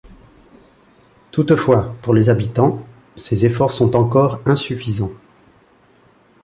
Toutefois, pour les habitants, ces efforts sont encore insuffisants.